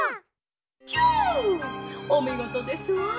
「キュおみごとですわ。